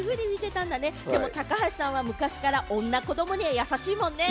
高橋さんは昔から女・子どもには優しいもんね。